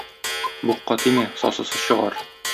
Букка тимә, сасысы чыгар.